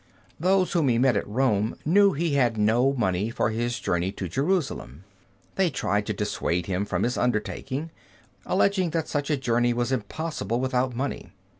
Those whom he met at Rome knew he had no money for his journey to Jerusalem. They tried to dissuade him from his undertaking, alleging that such a journey was impossible without money.